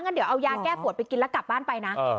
งั้นเดี๋ยวเอายาแก้ปวดไปกินแล้วกลับบ้านไปนะ